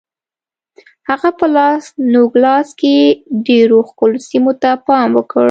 هغه په لاس نوګالس کې ډېرو ښکلو سیمو ته پام وکړ.